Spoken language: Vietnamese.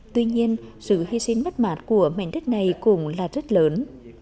tuy nhiên sự hy sinh mất mạc của mạnh đất này cũng là rất lớn